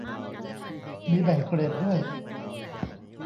มีแบ่งเกรดด้วย